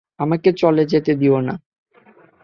আমাকে চলে যেতে দিও না।